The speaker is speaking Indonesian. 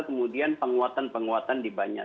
kemudian penguatan penguatan di banyak